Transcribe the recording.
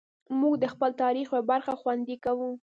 موږ د خپل تاریخ یوه برخه خوندي کوو.